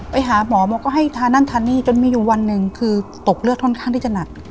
ไปหาหมอบอกก็ให้ทานั่นทานี่จนมีอยู่วันหนึ่งคือตกเลือดค่อนข้างที่จะหนัก